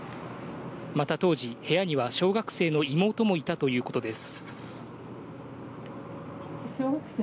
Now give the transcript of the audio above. また当時、部屋には小学生の妹もいたということです。